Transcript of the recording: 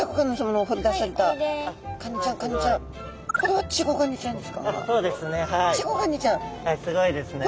はいすごいですね。